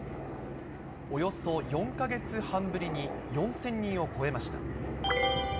およそ４か月半ぶりに、４０００人を超えました。